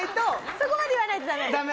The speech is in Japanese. そこまで言わないとダメ。